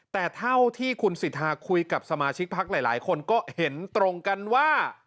แต่เท่าที่คุณสิทธาคุยกับสมาชิกพักหลายคนก็เห็นตรงกันว่า